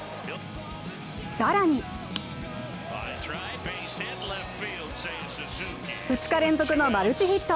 更に２日連続のマルチヒット。